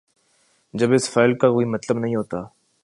جب اس فعل کا کوئی مطلب نہیں ہوتا۔